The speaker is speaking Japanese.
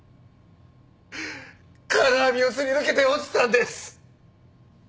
金網をすり抜けて落ちたんです。